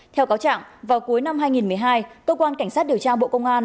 theo cáo trạng vào cuối năm hai nghìn một mươi hai cơ quan cảnh sát điều tra bộ công an